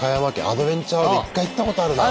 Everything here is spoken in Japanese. アドベンチャー１回行ったことあるな。